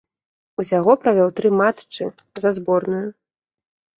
Усяго правёў тры матчы за зборную.